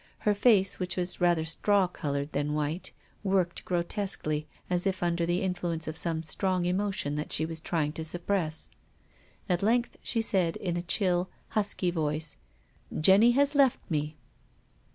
Her face, which was rather straw colour than white, worked grotesquely as if under the influ "WILLIAM FOSTER." I45 ence of some strong emotion that she was trying to suppress. At length she said, in a chill, husky voice, " Jenny has left me."